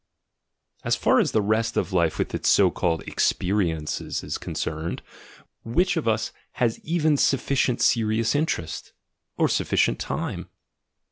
As far as the rest of life with its so called "experiences" is concerned, which of us has even sufficient serious inter est? or sufficient time?